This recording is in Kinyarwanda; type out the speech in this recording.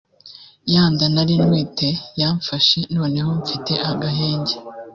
ya nda nari ntwite yamfashe noneho mfite agahenge